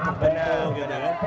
pembentuk gitu kan